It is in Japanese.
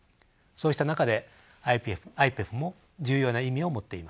そうした中でＩＰＥＦも重要な意味を持っています。